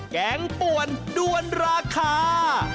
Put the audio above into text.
แกงป่วนด้วนราคา